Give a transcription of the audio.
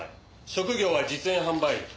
職業は実演販売員。